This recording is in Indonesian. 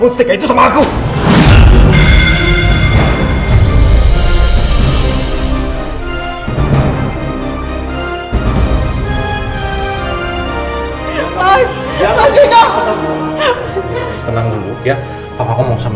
saya akan bantu ibu ya